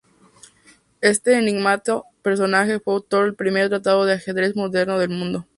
Este enigmático personaje fue autor del primer tratado de ajedrez moderno del mundo.